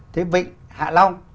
thế vịnh hạ long